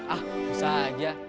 ah usah aja